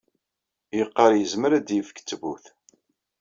Yeqqar yezmer ad d-yefk ttbut.